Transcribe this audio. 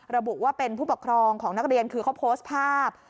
ระบุว่าเป็นผู้ปกครองของนักเรียนคือเขาโพสต์ภาพ